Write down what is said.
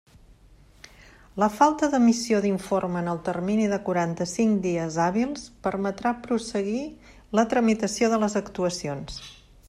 La falta d'emissió d'informe en el termini de quaranta-cinc dies hàbils permetrà prosseguir la tramitació de les actuacions.